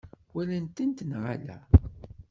Walan-tent neɣ ala?